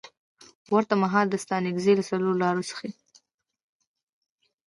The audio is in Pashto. ورته مهال د ستانکزي له څلورلارې څخه